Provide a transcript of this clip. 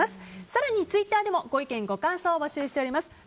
更にツイッターでもご意見、ご感想を募集しています。